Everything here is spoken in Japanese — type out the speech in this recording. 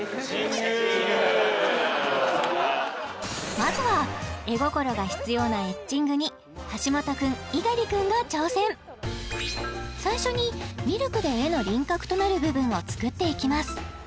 まずは絵心が必要なエッチングに橋本君猪狩君が挑戦最初にミルクで絵の輪郭となる部分を作っていきます